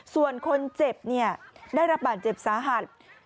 ส่วนคนเจ็บได้รับบาดเจ็บสาหัส